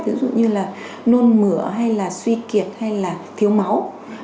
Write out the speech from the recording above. ví dụ như là nôn mửa hay là suy kiệt hay là thiếu máu